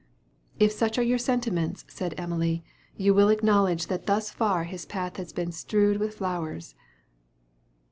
"If such are your sentiments," said Emily, "you will acknowledge that thus far his path has been strewed with flowers."